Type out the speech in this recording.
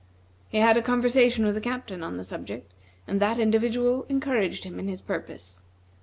He had a conversation with the Captain on the subject, and that individual encouraged him in his purpose.